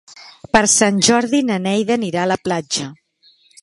Per Sant Jordi na Neida anirà a la platja.